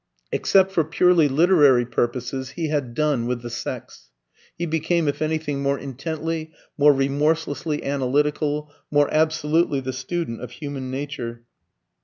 Except for purely literary purposes, he had done with the sex. He became if anything more intently, more remorselessly analytical, more absolutely the student of human nature.